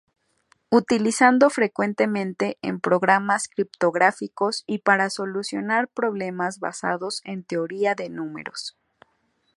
Utilizado frecuentemente en programas criptográficos y para solucionar problemas basados en teoría de números.